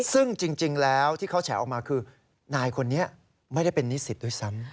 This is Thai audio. ซึ่งจริงแล้วที่เขาแฉออกมาคือนายคนนี้ไม่ได้เป็นนิสิตด้วยซ้ำ